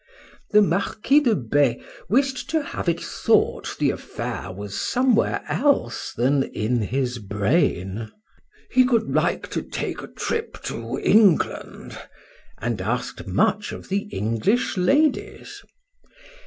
—The Marquis de B— wish'd to have it thought the affair was somewhere else than in his brain. "He could like to take a trip to England," and asked much of the English ladies.